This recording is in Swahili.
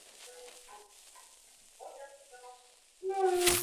ambayo ni Wamakonde wanaopatikana katika Wasafwa